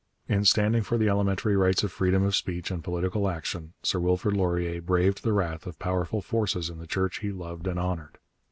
In standing for the elementary rights of freedom of speech and political action, Sir Wilfrid Laurier braved the wrath of powerful forces in the Church he loved and honoured.